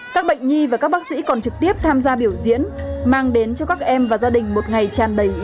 các bệnh nhi và các bác sĩ còn trực tiếp tham gia biểu diễn mang đến cho các em và gia đình một ngày tràn đầy ý nghĩa